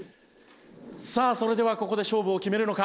さあそれではここで勝負を決めるのか？